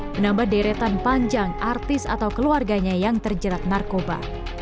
menambah deretan panjang artis atau keluarganya yang terjerat narkoba